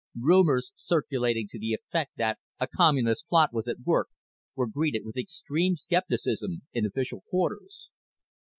_ _Rumors circulating to the effect that a "Communist plot" was at work were greeted with extreme scepticism in official quarters.